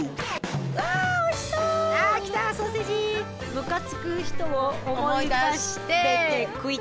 むかつく人を思い出してくいっと。